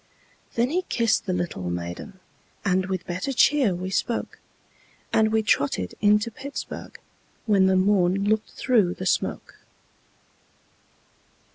Then he kissed the little maiden, And with better cheer we spoke, And we trotted into Pittsburg, When the morn looked through the smoke.